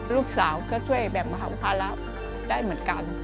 ลูกสาวก็ช่วยแบ่งเบาภาระได้เหมือนกัน